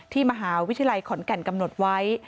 มหาวิทยาลัยขอนแก่นกำหนดไว้